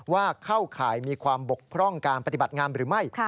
เข้าข่ายมีความบกพร่องการปฏิบัติงามหรือไม่